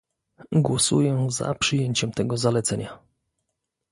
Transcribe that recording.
Głosuję za przyjęciem tego zalecenia